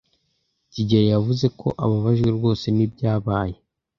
kigeli yavuze ko ababajwe rwose n'ibyabaye.